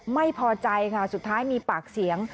ไม่พอใจค่ะสุดท้ายมีปากเสียง